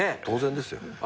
当然ですよ。